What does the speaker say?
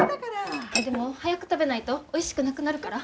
あっでも早く食べないとおいしくなくなるから。